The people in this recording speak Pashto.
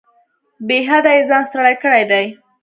بې حده یې ځان ستړی کړی دی.